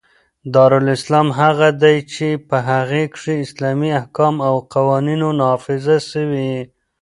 دارالاسلام هغه دئ، چي په هغي کښي اسلامي احکام او قوانینو نافظ سوي يي.